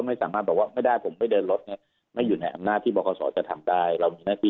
ไม่ได้ว่าผมไม่ได้เดินรถ